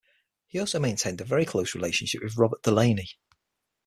He also maintained a very close relationship with Robert Delaunay.